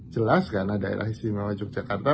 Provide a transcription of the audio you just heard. jelas karena daerah istimewa yogyakarta